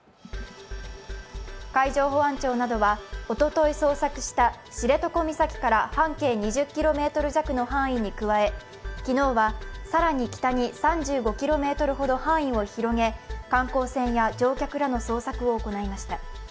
海上保安庁などはおととい捜索した知床岬から半径２０ｋｍ弱の範囲に加え昨日は更に北に３５ｋｍほど範囲を広げ観光船や乗客らの捜索を行いました。